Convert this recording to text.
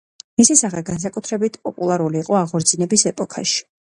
მისი სახე განსაკუთრებით პოპულარული იყო აღორძინების ეპოქაში.